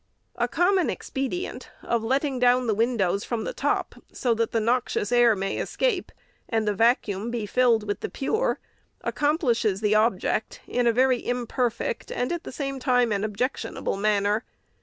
The common expedient of letting down windows from the top, so that the noxious air may escape, and the vacuum be filled with the pure, accomplishes the object in a very imperfect, and, at the same time, an objectionable manner.